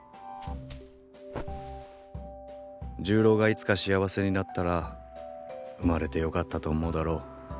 重郎がいつか幸せになったら生まれてよかったと思うだろう。